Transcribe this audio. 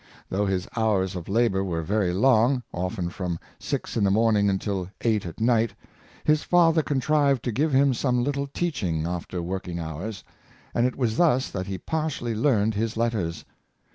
Though his hours of labor were very long — often from six in the morning until eight at night — his father contrived to give him some little teaching after working hours; and it was thus that he partially learned his letters.